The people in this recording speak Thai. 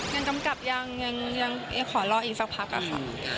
งานคำจับยังเหยะขอหลอกอีกสักพักอะค่ะ